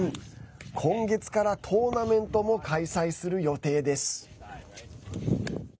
今月からトーナメントも開催する予定です。